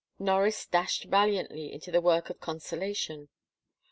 Norris dashed valiantly into the work of consolation.